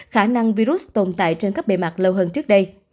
khả năng virus tồn tại trên các bề mặt lâu hơn trước đây